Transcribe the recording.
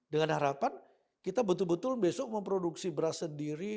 dengan harapan kita betul betul besok memproduksi beras sendiri